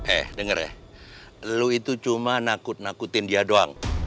eh denger ya lo itu cuma nakut nakutin dia doang